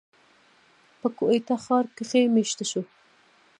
پۀ کوئټه ښار کښې ميشته شو،